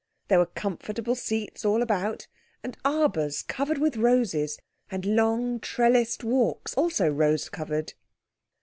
There were comfortable seats all about, and arbours covered with roses, and long, trellised walks, also rose covered.